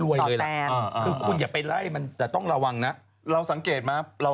คือคุณอย่าไปไล่มันแต่ต้องระวังนะ